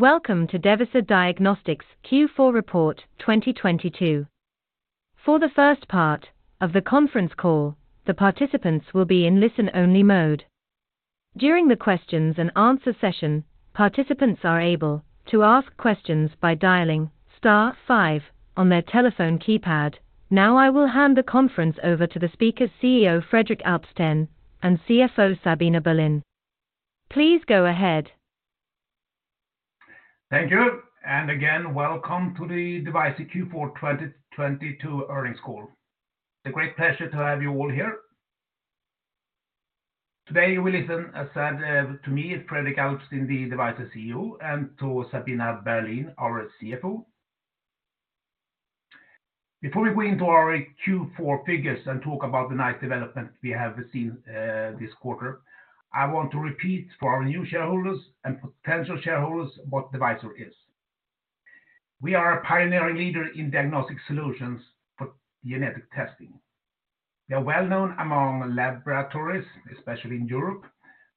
Welcome to Devyser Diagnostics Q4 report 2022. For the first part of the conference call, the participants will be in listen-only mode. During the questions and answer session, participants are able to ask questions by dialing star five on their telephone keypad. Now I will hand the conference over to the speakers CEO Fredrik Alpsten and CFO Sabina Berlin. Please go ahead. Thank you. Welcome to the Devyser Q4 2022 earnings call. It's a great pleasure to have you all here. Today, you will listen, as said, to me, Fredrik Alpsten, the Devyser CEO, and to Sabina Berlin, our CFO. Before we go into our Q4 figures and talk about the nice development we have received, this quarter, I want to repeat for our new shareholders and potential shareholders what Devyser is. We are a pioneering leader in diagnostic solutions for genetic testing. We are well known among laboratories, especially in Europe,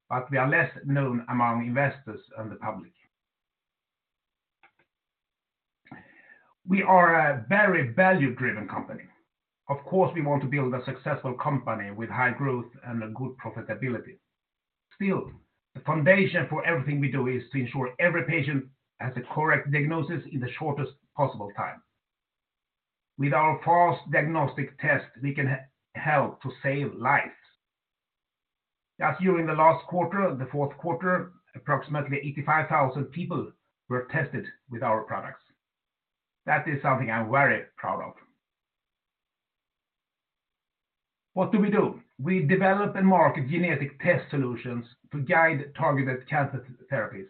but we are less known among investors and the public. We are a very value-driven company. Of course, we want to build a successful company with high growth and a good profitability. Still, the foundation for everything we do is to ensure every patient has the correct diagnosis in the shortest possible time. With our fast diagnostic test, we can help to save lives. Just during the last quarter, the fourth quarter, approximately 85,000 people were tested with our products. That is something I'm very proud of. What do we do? We develop and market genetic test solutions to guide targeted cancer therapies,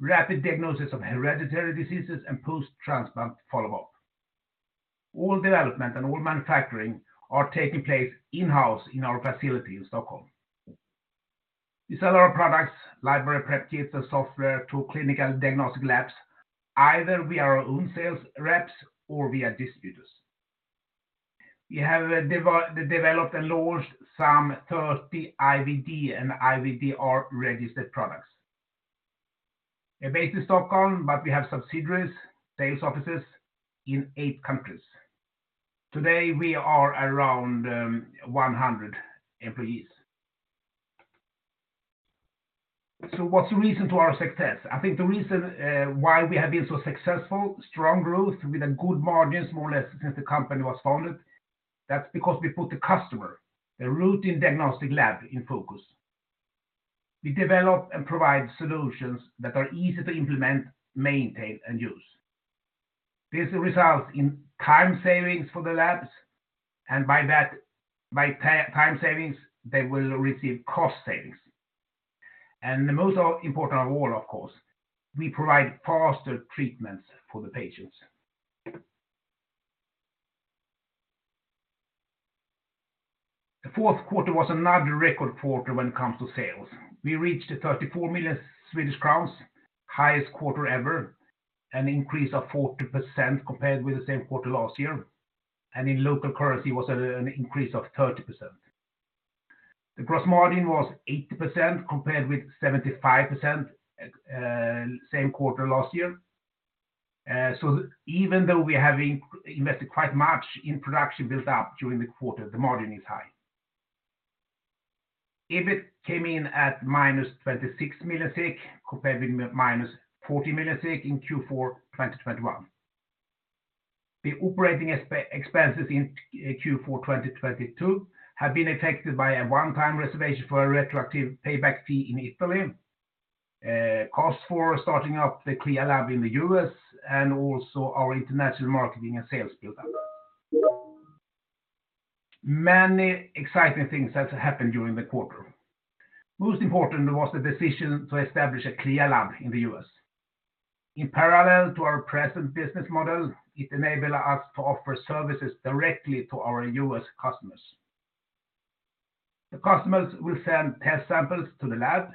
rapid diagnosis of hereditary diseases, and post-transplant follow up. All development and all manufacturing are taking place in-house in our facility in Stockholm. We sell our products, library prep kits, and software to clinical diagnostic labs either via our own sales reps or via distributors. We have developed and launched some 30 IVD and IVDR registered products. We're based in Stockholm, but we have subsidiaries, sales offices in eight countries. Today, we are around 100 employees. What's the reason to our success? I think the reason why we have been so successful, strong growth with a good margin more or less since the company was founded, that's because we put the customer, the routine diagnostic lab in focus. We develop and provide solutions that are easy to implement, maintain, and use. This results in time savings for the labs, and by time savings, they will receive cost savings. The most important of all, of course, we provide faster treatments for the patients. The fourth quarter was another record quarter when it comes to sales. We reached 34 million Swedish crowns, highest quarter ever, an increase of 40% compared with the same quarter last year, and in local currency was an increase of 30%. The gross margin was 80% compared with 75% same quarter last year. Even though we have invested quite much in production built up during the quarter, the margin is high. EBIT came in at minus 26 million, compared with minus 40 million in Q4 2021. The operating expenses in Q4 2022 have been affected by a one-time reservation for a retroactive payback fee in Italy, cost for starting up the CLIA lab in the U.S., and also our international marketing and sales build-up. Many exciting things has happened during the quarter. Most important was the decision to establish a CLIA lab in the U.S. In parallel to our present business model, it enable us to offer services directly to our U.S. customers. The customers will send test samples to the lab,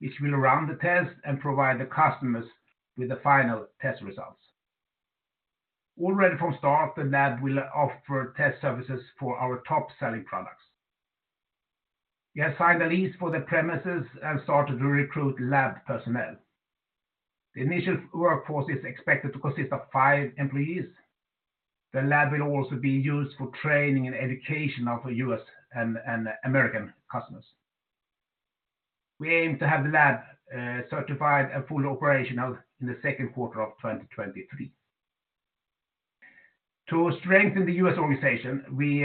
which will run the test and provide the customers with the final test results. Already from start, the lab will offer test services for our top-selling products. We have signed a lease for the premises and started to recruit lab personnel. The initial workforce is expected to consist of five employees. The lab will also be used for training and education of U.S. and American customers. We aim to have the lab certified and fully operational in the second quarter of 2023. To strengthen the U.S. organization, we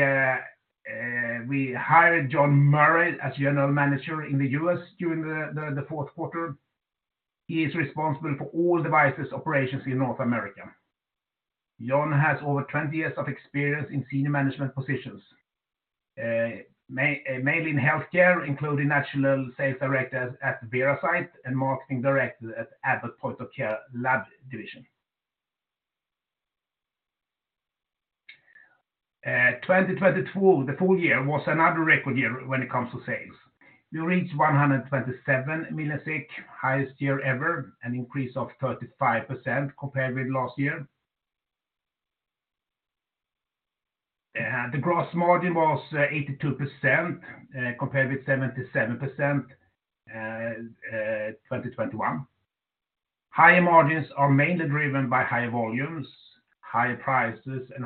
hired John Murray as general manager in the U.S. during the fourth quarter. He is responsible for all Devyser operations in North America. John has over 20 years of experience in senior management positions, mainly in healthcare, including national sales director at Veracyte and marketing director at Abbott Point of Care Lab division. 2022, the full year was another record year when it comes to sales. We reached 127 million, highest year ever, an increase of 35% compared with last year. The gross margin was 82% compared with 77% 2021. Higher margins are mainly driven by higher volumes, higher prices, and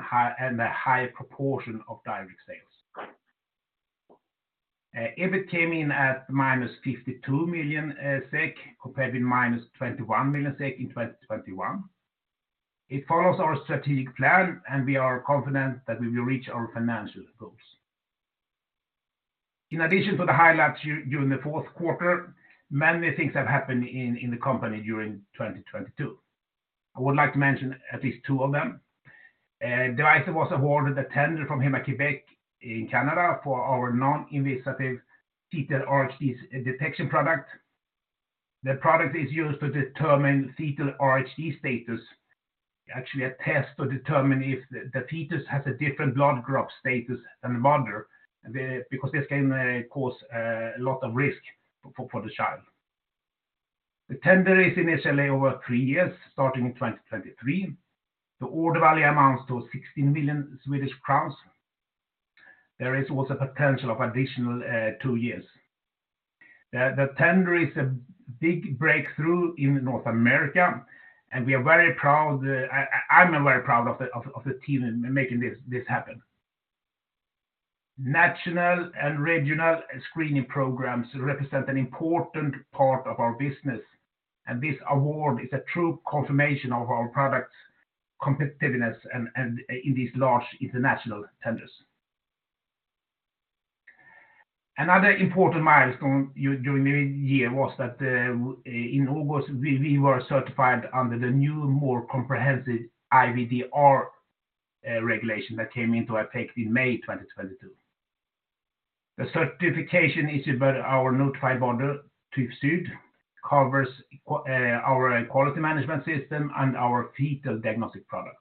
a high proportion of direct sales. EBIT came in at minus 52 million SEK compared with minus 21 million SEK in 2021. It follows our strategic plan, and we are confident that we will reach our financial goals. In addition to the highlights during the fourth quarter, many things have happened in the company during 2022. I would like to mention at least two of them. Devyser was awarded a tender from Héma-Québec in Canada for our non-invasive fetal RHD detection product. The product is used to determine fetal RHD status, actually a test to determine if the fetus has a different blood group status than the mother, because this can cause a lot of risk for the child. The tender is initially over three years, starting in 2023. The order value amounts to 16 million Swedish crowns. There is also potential of additional two years. The tender is a big breakthrough in North America, and we are very proud, I'm very proud of the team in making this happen. National and regional screening programs represent an important part of our business, and this award is a true confirmation of our product's competitiveness in these large international tenders. Another important milestone during the year was that, in August, we were certified under the new, more comprehensive IVDR regulation that came into effect in May 2022. The certification issued by our notified body, TÜV SÜD, covers our quality management system and our fetal diagnostic product.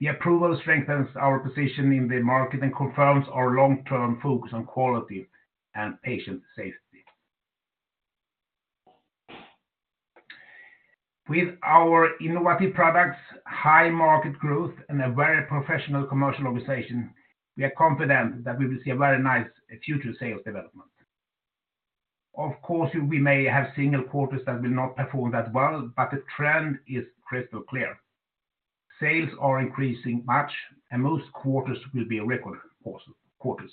The approval strengthens our position in the market and confirms our long-term focus on quality and patient safety. With our innovative products, high market growth, and a very professional commercial organization, we are confident that we will see a very nice future sales development. Of course, we may have single quarters that will not perform that well, but the trend is crystal clear. Sales are increasing much, and most quarters will be record quarters.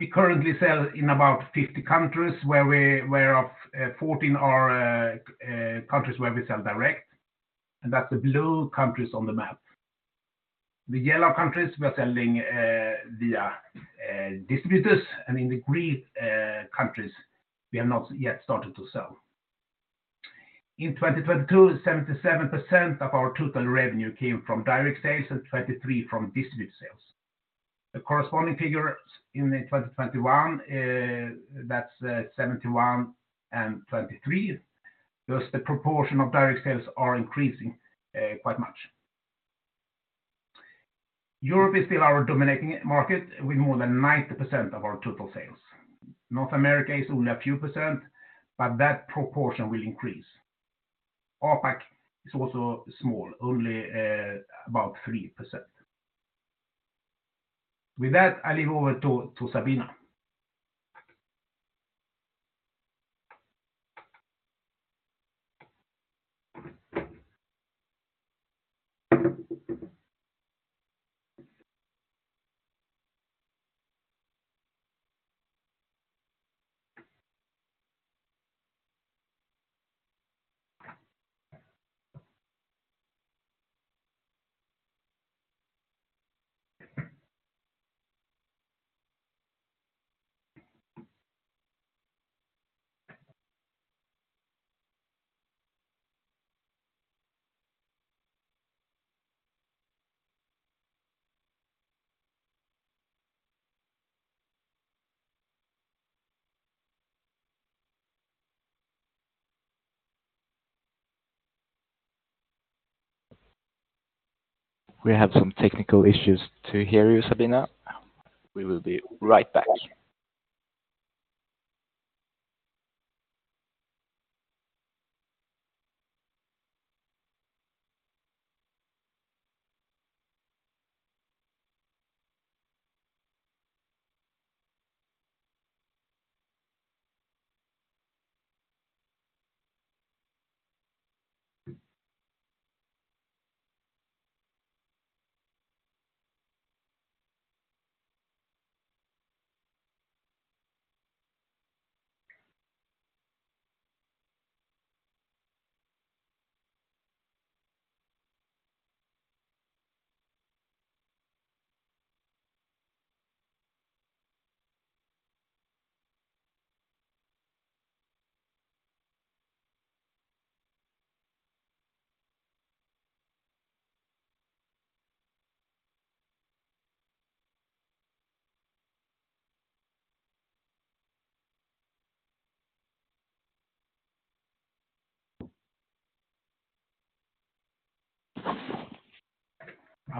We currently sell in about 50 countries where we... Whereof, 14 are countries where we sell direct, and that's the blue countries on the map. The yellow countries we're selling via distributors, and in the green countries, we have not yet started to sell. In 2022, 77% of our total revenue came from direct sales and 23 from distributed sales. The corresponding figures in the 2021, that's 71 and 23. Thus, the proportion of direct sales are increasing quite much. Europe is still our dominating market with more than 90% of our total sales. North America is only a few percent, but that proportion will increase. APAC is also small, only about 3%. With that, I leave over to Sabina. We have some technical issues to hear you, Sabina. We will be right back.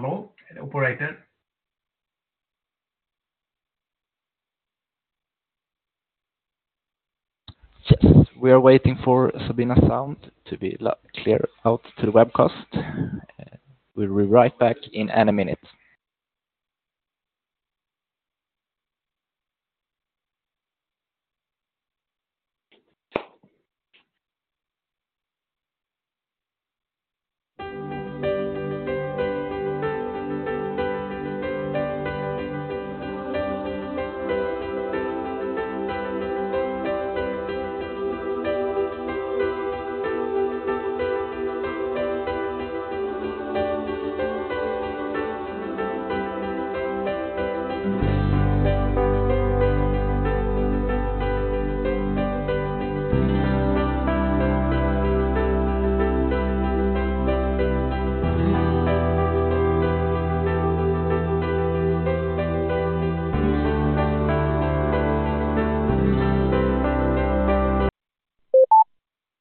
Hello, operator. Yes. We are waiting for Sabina sound to be clear out to the webcast. We'll be right back in a minute.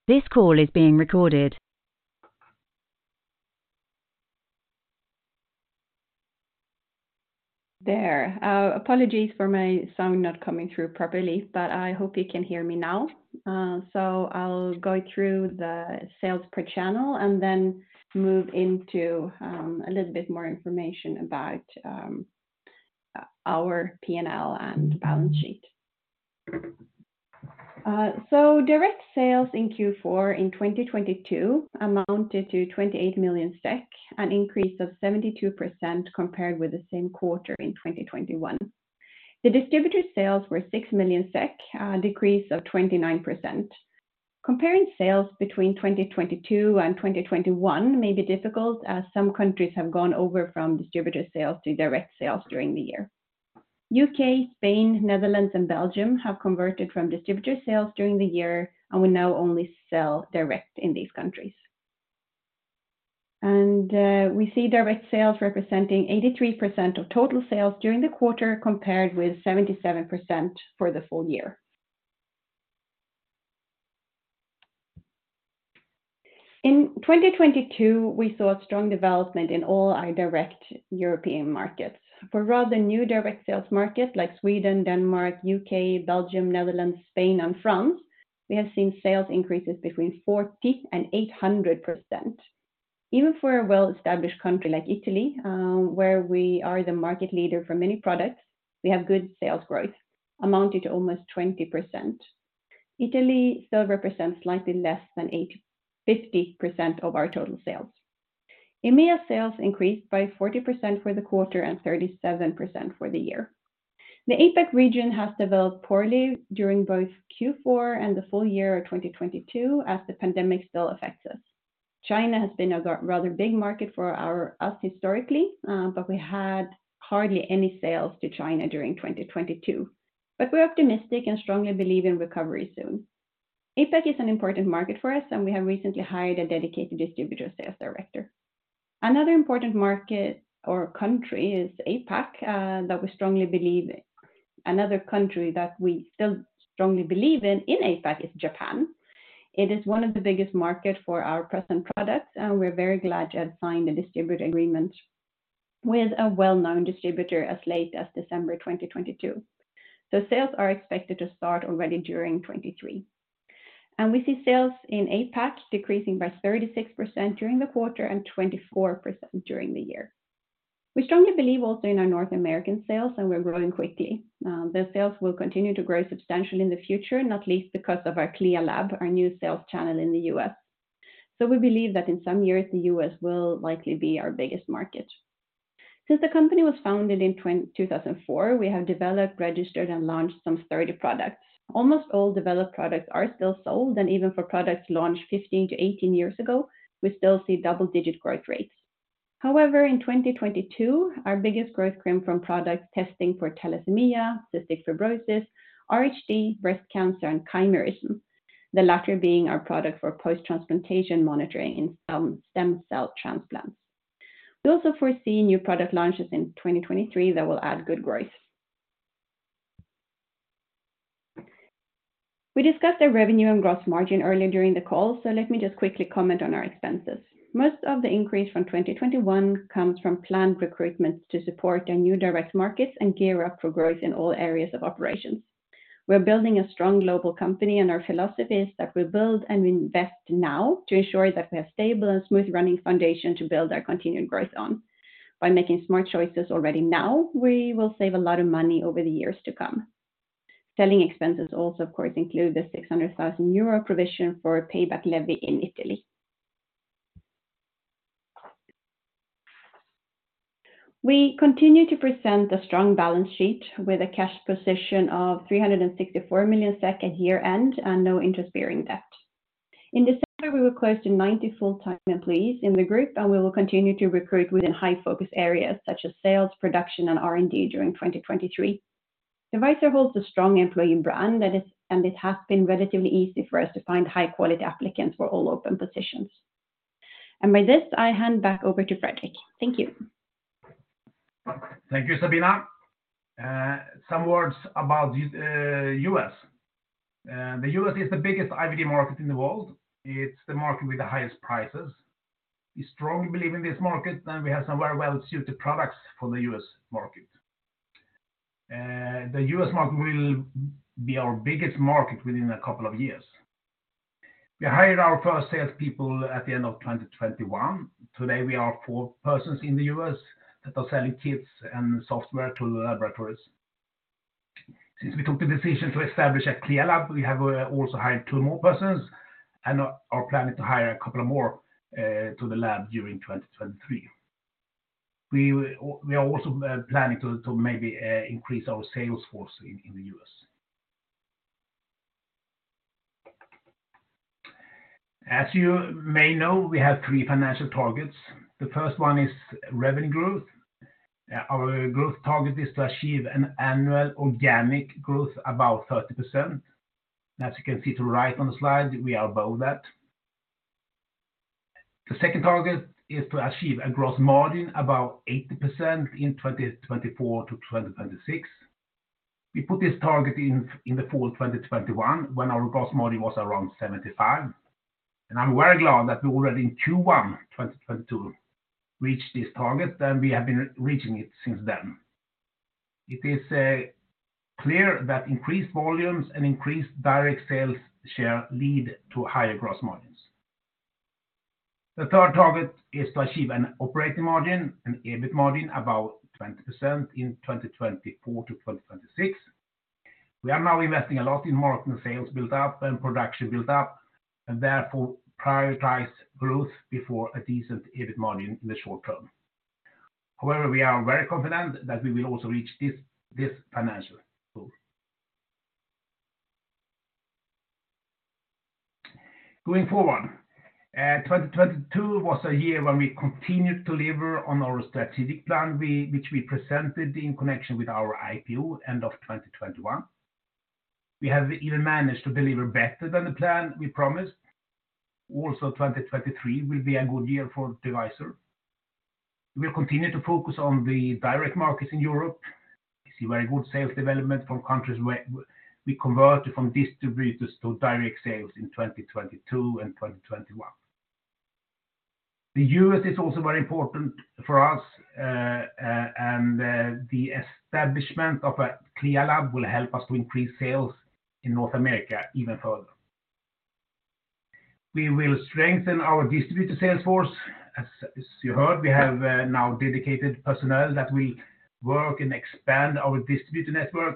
This call is being recorded. There. Apologies for my sound not coming through properly, but I hope you can hear me now. I'll go through the sales per channel and then move into a little bit more information about our P&L and balance sheet. Direct sales in Q4 in 2022 amounted to 28 million SEK, an increase of 72% compared with the same quarter in 2021. The distributor sales were 6 million SEK, a decrease of 29%. Comparing sales between 2022 and 2021 may be difficult as some countries have gone over from distributor sales to direct sales during the year. U.K., Spain, Netherlands, and Belgium have converted from distributor sales during the year and will now only sell direct in these countries. We see direct sales representing 83% of total sales during the quarter, compared with 77% for the full year. In 2022, we saw strong development in all our direct European markets. For rather new direct sales markets like Sweden, Denmark, U.K., Belgium, Netherlands, Spain, and France, we have seen sales increases between 40%-800%. Even for a well-established country like Italy, where we are the market leader for many products, we have good sales growth amounting to almost 20%. Italy still represents slightly less than 50% of our total sales. EMEA sales increased by 40% for the quarter and 37% for the year. The APAC region has developed poorly during both Q4 and the full year of 2022 as the pandemic still affects us. China has been a rather big market for us historically. We had hardly any sales to China during 2022. We're optimistic and strongly believe in recovery soon. APAC is an important market for us. We have recently hired a dedicated distributor sales director. Another country that we still strongly believe in in APAC is Japan. It is one of the biggest market for our present products. We're very glad to have signed a distributor agreement with a well-known distributor as late as December 2022. Sales are expected to start already during 2023. We see sales in APAC decreasing by 36% during the quarter and 24% during the year. We strongly believe also in our North American sales. We're growing quickly. The sales will continue to grow substantially in the future, not least because of our CLIA lab, our new sales channel in the US. We believe that in some years, the US will likely be our biggest market. Since the company was founded in 2004, we have developed, registered, and launched some 30 products. Almost all developed products are still sold, and even for products launched 15-18 years ago, we still see double-digit growth rates. However, in 2022, our biggest growth came from products testing for thalassemia, cystic fibrosis, RHD, breast cancer, and chimerism, the latter being our product for post-transplantation monitoring in stem cell transplants. We also foresee new product launches in 2023 that will add good growth. We discussed the revenue and gross margin earlier during the call, so let me just quickly comment on our expenses. Most of the increase from 2021 comes from planned recruitment to support our new direct markets and gear up for growth in all areas of operations. We're building a strong global company, and our philosophy is that we build and invest now to ensure that we have stable and smooth running foundation to build our continued growth on. By making smart choices already now, we will save a lot of money over the years to come. Selling expenses also, of course, include the 600,000 euro provision for payback levy in Italy. We continue to present a strong balance sheet with a cash position of 364 million SEK at year-end and no interest-bearing debt. In December, we were close to 90 full-time employees in the group, and we will continue to recruit within high focus areas such as sales, production, and R&D during 2023. Devyser holds a strong employee brand and it has been relatively easy for us to find high-quality applicants for all open positions. With this, I hand back over to Fredrik. Thank you. Thank you, Sabina. some words about U.S. The U.S. is the biggest IVD market in the world. It's the market with the highest prices. We strongly believe in this market, and we have some very well-suited products for the U.S. market. The U.S. market will be our biggest market within a couple of years. We hired our first salespeople at the end of 2021. Today, we are 4 persons in the U.S. that are selling kits and software to laboratories. Since we took the decision to establish a CLIA lab, we have also hired 2 more persons and are planning to hire a couple of more to the lab during 2023. We are also planning to maybe increase our sales force in the U.S. As you may know, we have 3 financial targets. The first one is revenue growth. Yeah, our growth target is to achieve an annual organic growth above 30%. As you can see to the right on the slide, we are above that. The second target is to achieve a gross margin above 80% in 2024-2026. We put this target in the fall 2021 when our gross margin was around 75%. I'm very glad that we already in Q1 2022 reached this target, and we have been reaching it since then. It is clear that increased volumes and increased direct sales share lead to higher gross margins. The third target is to achieve an operating margin and EBIT margin above 20% in 2024-2026. We are now investing a lot in market and sales buildup and production buildup, and therefore prioritize growth before a decent EBIT margin in the short term. However, we are very confident that we will also reach this financial goal. Going forward, 2022 was a year when we continued to deliver on our strategic plan which we presented in connection with our IPO, end of 2021. We have even managed to deliver better than the plan we promised. 2023 will be a good year for Devyser. We'll continue to focus on the direct markets in Europe. We see very good sales development from countries where we converted from distributors to direct sales in 2022 and 2021. The U.S. is also very important for us, and the establishment of a CLIA lab will help us to increase sales in North America even further. We will strengthen our distributor sales force. As you heard, we have now dedicated personnel that will work and expand our distributor network.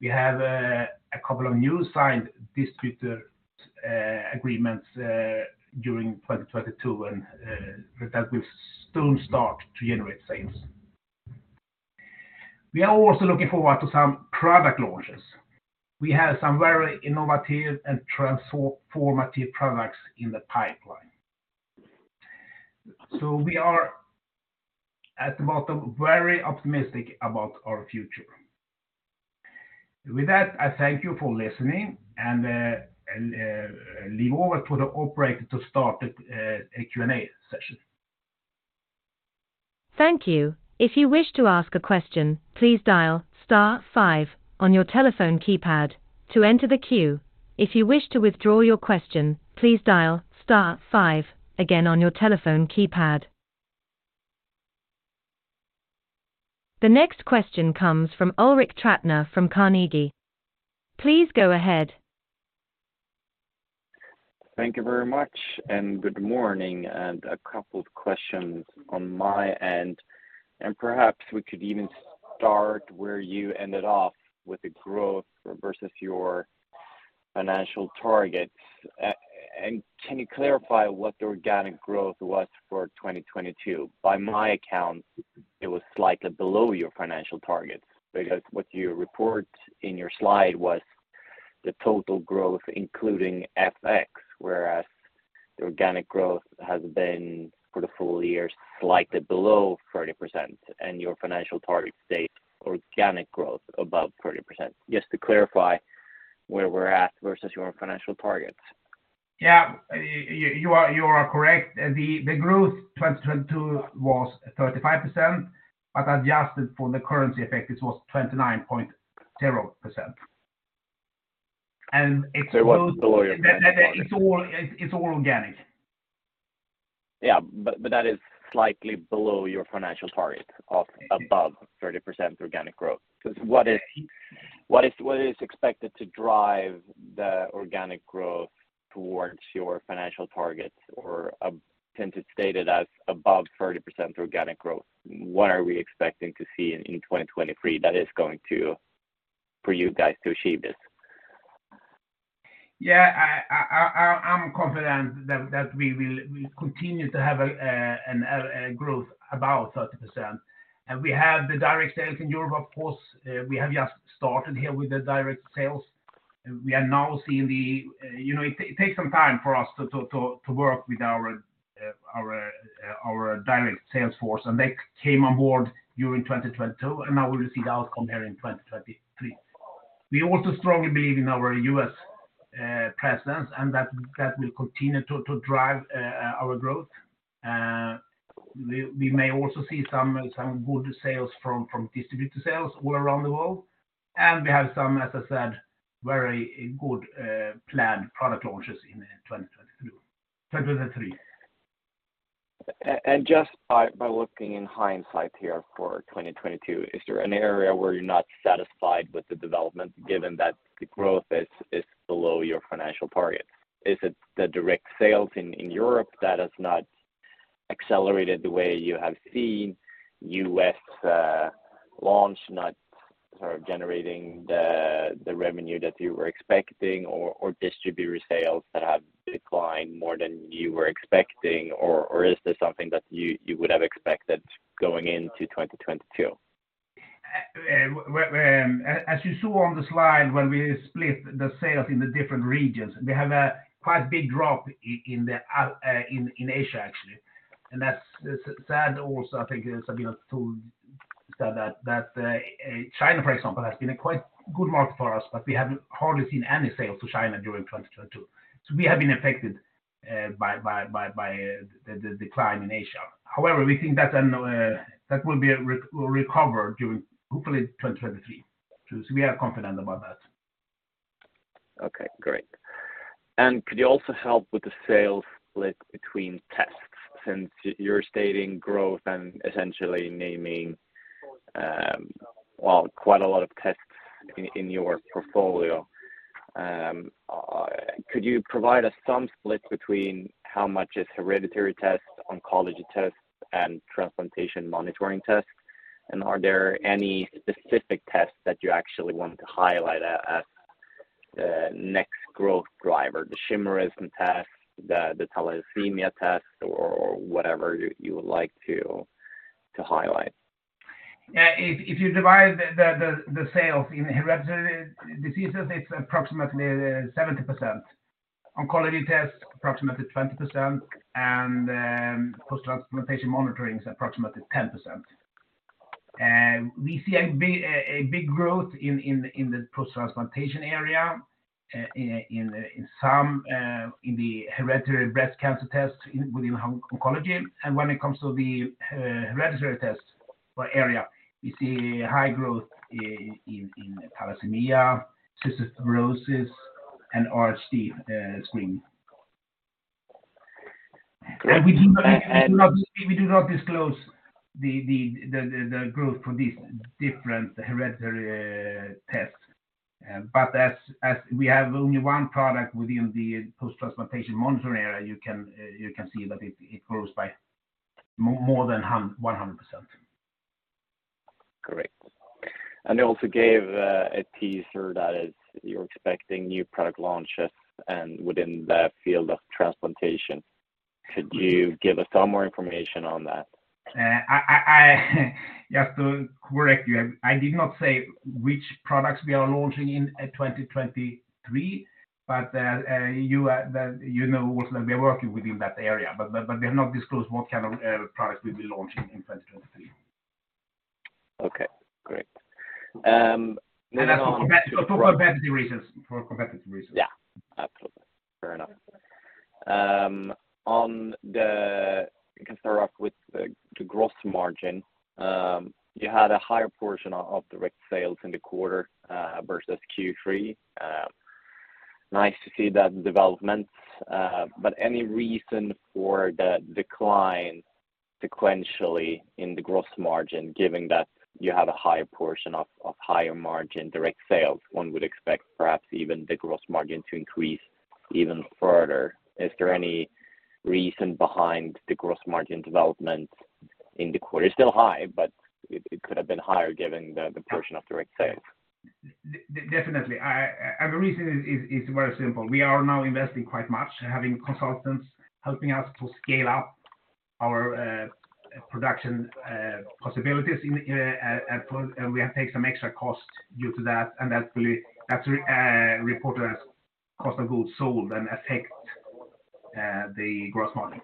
We have a couple of new signed distributor agreements during 2022 and that will soon start to generate sales. We are also looking forward to some product launches. We have some very innovative and transformative products in the pipeline. We are at the bottom, very optimistic about our future. With that, I thank you for listening and leave over to the operator to start the Q&A session. Thank you. If you wish to ask a question, please dial star 5 on your telephone keypad to enter the queue. If you wish to withdraw your question, please dial star 5 again on your telephone keypad. The next question comes from Ulrik Trattner from Carnegie. Please go ahead. Thank you very much. Good morning, and a couple of questions on my end. Perhaps we could even start where you ended off with the growth versus your financial targets. And can you clarify what the organic growth was for 2022? By my account, it was slightly below your financial target because what you report in your slide was the total growth, including FX, whereas the organic growth has been, for the full year, slightly below 30%, and your financial target states organic growth above 30%. Just to clarify where we're at versus your financial targets. Yeah. You are correct. The growth 2022 was 35%, but adjusted for the currency effect, it was 29.0%. It was below your financial target. It's all organic. Yeah. That is slightly below your financial target of above 30% organic growth. What is expected to drive the organic growth towards your financial targets? Since it's stated as above 30% organic growth, what are we expecting to see in 2023 for you guys to achieve this? Yeah. I'm confident that we will continue to have a growth above 30%. We have the direct sales in Europe, of course. We have just started here with the direct sales. We are now seeing the... You know, it takes some time for us to work with our direct sales force, and they came on board during 2022, and now we'll see the outcome here in 2023. We also strongly believe in our U.S. presence, and that will continue to drive our growth. We may also see some good sales from distributor sales all around the world. We have some, as I said, very good planned product launches in 2022, 2023. Just by looking in hindsight here for 2022, is there an area where you're not satisfied with the development given that the growth is below your financial target? Is it the direct sales in Europe that has not accelerated the way you have seen US launch not sort of generating the revenue that you were expecting or distributor sales that have declined more than you were expecting? Is this something that you would have expected going into 2022? Well, as you saw on the slide when we split the sales in the different regions, we have a quite big drop in Asia, actually. That's, it's sad also, I think Sabina said that China, for example, has been a quite good market for us, but we have hardly seen any sales to China during 2022. We have been affected by the decline in Asia. However, we think that will recover during hopefully 2023. We are confident about that. Okay, great. Could you also help with the sales split between tests since you're stating growth and essentially naming, well, quite a lot of tests in your portfolio. Could you provide us some split between how much is hereditary tests, oncology tests, and post-transplantation monitoring tests? Are there any specific tests that you actually want to highlight as the next growth driver, the chimerism test, the thalassemia test, or whatever you would like to highlight? Yeah. If you divide the sales in hereditary diseases, it's approximately 70%. Oncology tests, approximately 20%, post-transplantation monitoring is approximately 10%. We see a big growth in the post-transplantation area, in some in the hereditary breast cancer tests within oncology. When it comes to the hereditary tests or area, we see high growth in thalassemia, cystic fibrosis, and RHD screening. Great. We do not disclose the growth for these different hereditary tests. But as we have only one product within the post-transplantation monitoring area, you can see that it grows by more than 100%. Great. You also gave, a teaser that is you're expecting new product launches, within the field of transplantation. Could you give us some more information on that? I just to correct you, I did not say which products we are launching in 2023, but you know also that we are working within that area, but we have not disclosed what kind of products will be launching in 2023. Okay, great. Moving on. That's for competitive reasons. Yeah, absolutely. Fair enough. You can start off with the gross margin. You had a higher portion of direct sales in the quarter versus Q3. Nice to see that development. Any reason for the decline sequentially in the gross margin, given that you have a higher portion of higher margin direct sales, one would expect perhaps even the gross margin to increase even further. Is there any reason behind the gross margin development in the quarter? It's still high, but it could have been higher given the portion of direct sales. Definitely. I, the reason is very simple. We are now investing quite much, having consultants helping us to scale up our production possibilities in. We have take some extra cost due to that. That's really, that's reported as cost of goods sold and affect the gross margin.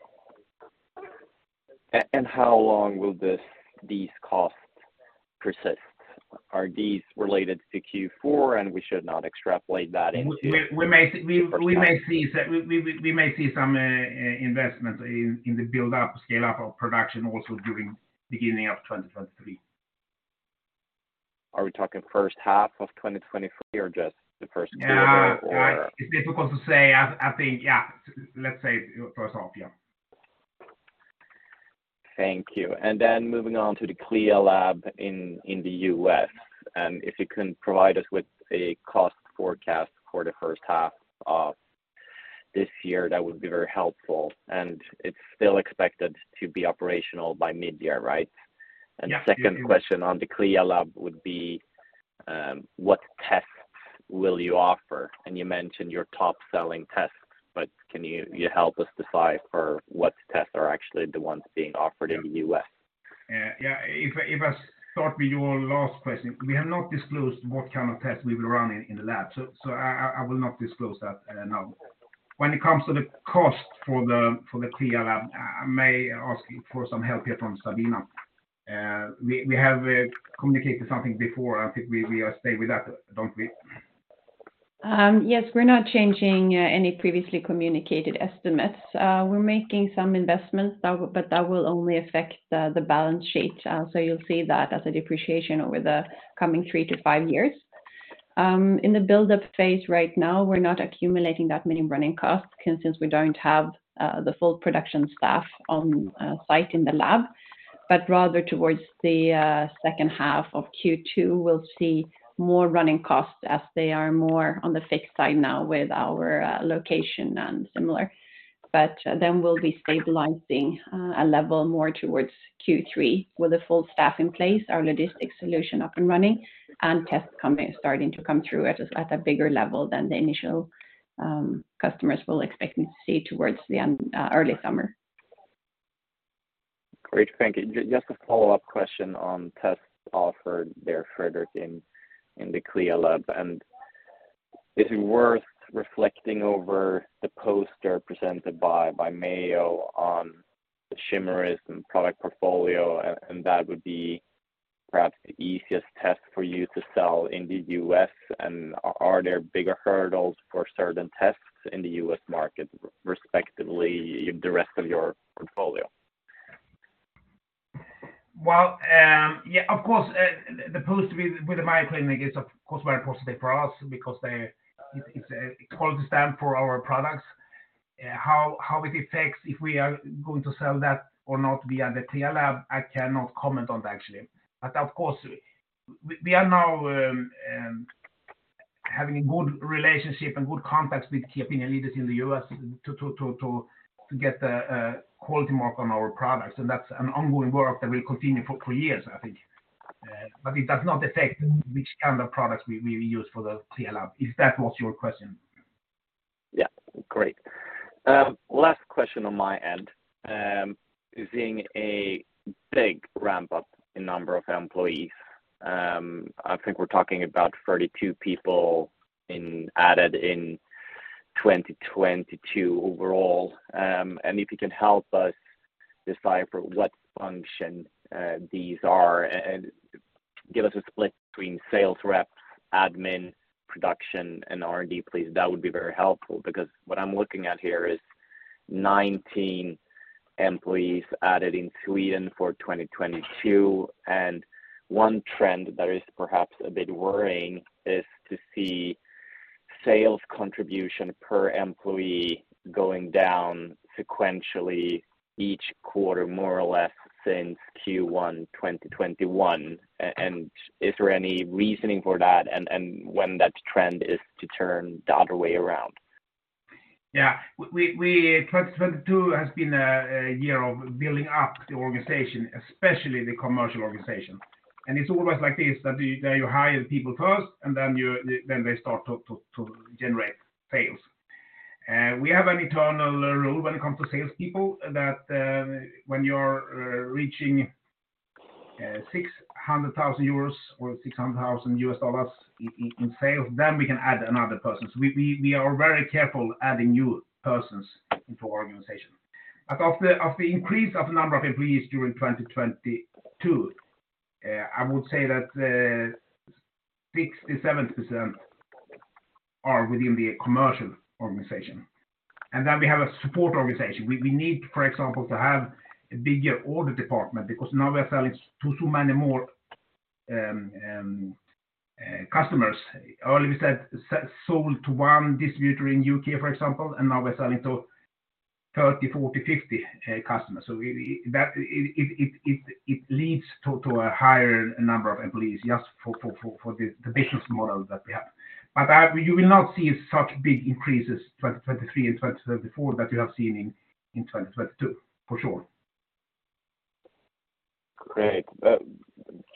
How long will these costs persist? Are these related to Q4, and we should not extrapolate that into- We.... forecast... we may see some investment in the build-up, scale-up of production also during beginning of 2023. Are we talking first half of 2023 or just the first quarter or- Yeah. It's difficult to say. I think, yeah. Let's say first half, yeah. Thank you. Moving on to the CLIA lab in the US, if you can provide us with a cost forecast for the first half of this year, that would be very helpful. It's still expected to be operational by midyear, right? Yeah. Second question on the CLIA lab would be, what tests will you offer? You mentioned your top-selling tests, but can you help us decipher what tests are actually the ones being offered in the US? Yeah. Yeah. If I start with your last question, we have not disclosed what kind of tests we will run in the lab. I will not disclose that now. When it comes to the cost for the CLIA lab, I may ask for some help here from Sabina. We have communicated something before. I think we stay with that, don't we? Yes, we're not changing any previously communicated estimates. We're making some investments but that will only affect the balance sheet. You'll see that as a depreciation over the coming 3-5 years. In the buildup phase right now, we're not accumulating that many running costs since we don't have the full production staff on site in the lab. Rather towards the second half of Q2, we'll see more running costs as they are more on the fixed side now with our location and similar. We'll be stabilizing a level more towards Q3 with the full staff in place, our logistics solution up and running, and tests starting to come through at a bigger level than the initial customers will expect to see towards the end early summer. Great. Thank you. Just a follow-up question on tests offered there, Fredrik, in the CLIA lab. Is it worth reflecting over the poster presented by Mayo on the Chimerism and product portfolio and that would be perhaps the easiest test for you to sell in the US, and are there bigger hurdles for certain tests in the US market respectively the rest of your portfolio? Well, yeah, of course, the post with the Mayo Clinic is of course very positive for us because it's a quality stamp for our products. How it affects if we are going to sell that or not via the CLIA lab, I cannot comment on that actually. Of course, we are now having a good relationship and good contacts with key opinion leaders in the U.S. to get the quality mark on our products, and that's an ongoing work that will continue for 2 years, I think. It does not affect which kind of products we use for the CLIA lab, if that was your question? Yeah, great. Last question on my end. Seeing a big ramp-up in number of employees, I think we're talking about 32 people in... added in 2022 overall. If you can help us decipher what function these are and give us a split between sales rep, admin, production, and R&D, please. That would be very helpful because what I'm looking at here is 19 employees added in Sweden for 2022, and one trend that is perhaps a bit worrying is to see sales contribution per employee going down sequentially each quarter, more or less since Q1 2021. Is there any reasoning for that, and when that trend is to turn the other way around? Yeah. We 2022 has been a year of building up the organization, especially the commercial organization. It's always like this, that you hire people first, then they start to generate sales. We have an internal rule when it comes to salespeople that when you're reaching 600,000 euros or $600,000 in sales, then we can add another person. We are very careful adding new persons into our organization. Of the increase of number of employees during 2022, I would say that 60-70% are within the commercial organization. We have a support organization. We need, for example, to have a bigger order department because now we are selling to so many more customers. Earlier we sold to one distributor in UK, for example, and now we're selling to 30, 40, 50 customers. That it leads to a higher number of employees just for the business model that we have. You will not see such big increases 2023 and 2024 that you have seen in 2022, for sure. Great.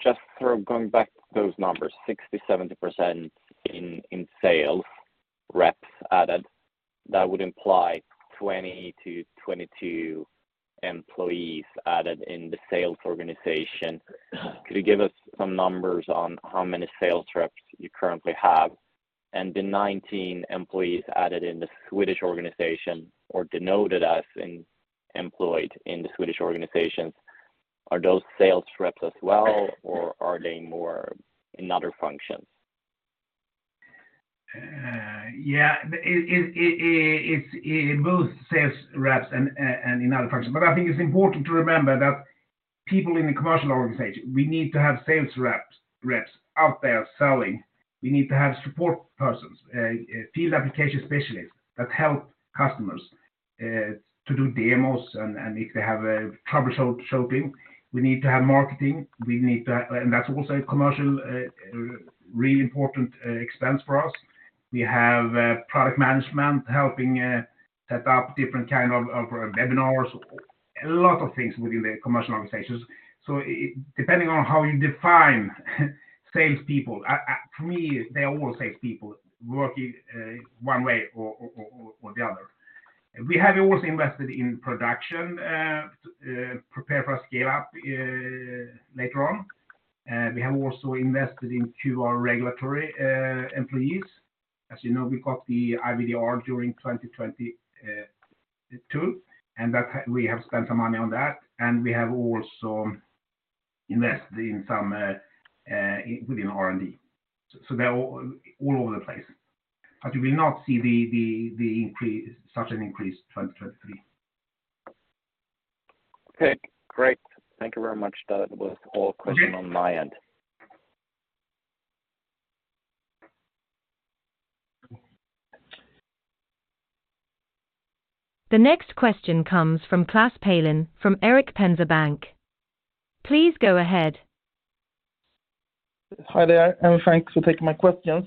just sort of going back to those numbers, 60%-70% in sales reps added, that would imply 20-22 employees added in the sales organization. Yeah. Could you give us some numbers on how many sales reps you currently have? The 19 employees added in the Swedish organization or denoted as employed in the Swedish organizations, are those sales reps as well, or are they more in other functions? Yeah. It's in both sales reps and in other functions. I think it's important to remember that people in the commercial organization, we need to have sales reps out there selling. We need to have support persons, field application specialists that help customers to do demos and if they have a troubleshooting. We need to have marketing. We need to. And that's also a commercial, really important expense for us. We have product management helping set up different kind of webinars. A lot of things within the commercial organizations. It depending on how you define salespeople, for me, they are all salespeople working one way or the other. We have also invested in production to prepare for a scale-up later on. We have also invested into our regulatory employees. As you know, we got the IVDR during 2022, we have spent some money on that. We have also Invest in some within R&D. They're all over the place. You will not see the increase, such an increase in 2023. Okay, great. Thank you very much. That was all questions on my end. The next question comes from Klas Palin from Erik Penser Bank. Please go ahead. Hi there, and thanks for taking my questions.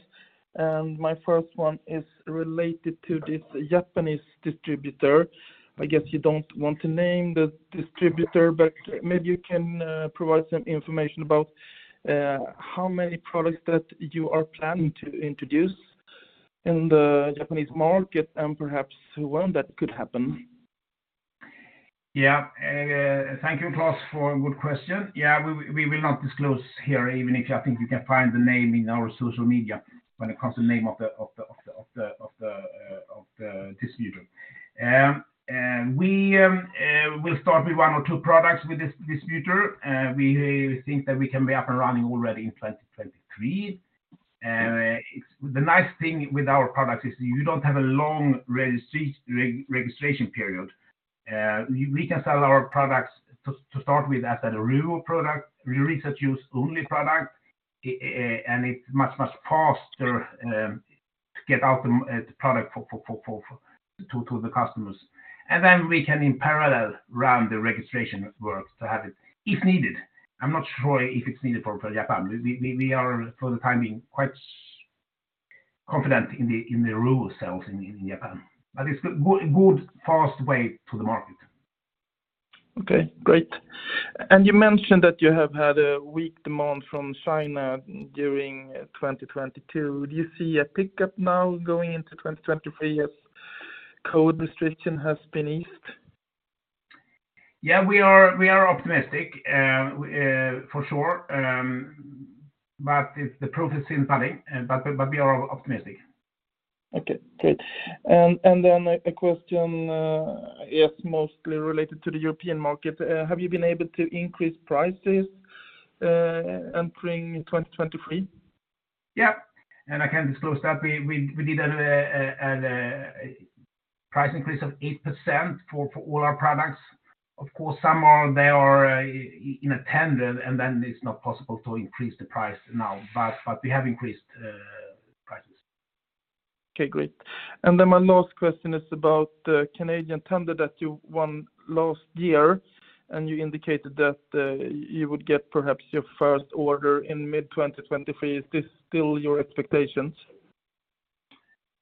My first one is related to this Japanese distributor. I guess you don't want to name the distributor, but maybe you can provide some information about how many products that you are planning to introduce in the Japanese market and perhaps when that could happen? Yeah. Thank you, Klas, for a good question. Yeah, we will not disclose here, even if I think you can find the name in our social media when it comes to the name of the distributor. We will start with one or two products with this distributor. We think that we can be up and running already in 2023. The nice thing with our products is you don't have a long re-registration period. We can sell our products to start with as a real product, research use only product, and it's much, much faster to get out the product to the customers. We can in parallel run the registration work to have it if needed. I'm not sure if it's needed for Japan. We are for the time being quite confident in the rural sales in Japan. It's good, fast way to the market. Okay, great. You mentioned that you have had a weak demand from China during 2022. Do you see a pickup now going into 2023 as COVID restriction has been eased? We are optimistic, for sure. It's the proof is in the pudding, but we are optimistic. Okay, great. Then a question, is mostly related to the European market. Have you been able to increase prices entering 2023? Yeah. I can disclose that we did a price increase of 8% for all our products. Of course, some are. They are in a tender, it's not possible to increase the price now. We have increased prices. Okay, great. My last question is about the Canadian tender that you won last year. You indicated that you would get perhaps your first order in mid-2023. Is this still your expectations?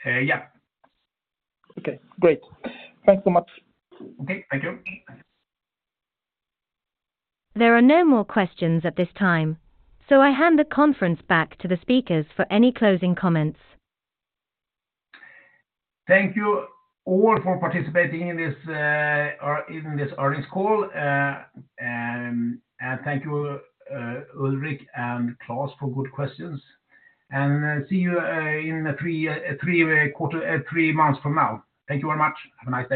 Yeah. Okay, great. Thanks so much. Okay. Thank you. There are no more questions at this time. I hand the conference back to the speakers for any closing comments. Thank you all for participating in this, or in this earnings call. Thank you, Ulrik and Klas for good questions. See you, in three months from now. Thank you very much. Have a nice day.